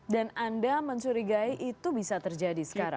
dan anda mensurigai itu bisa terjadi sekarang